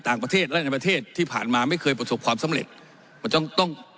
ต่างประเทศและในประเทศที่ผ่านมาไม่เคยประสบความสำเร็จมันต้องต้อง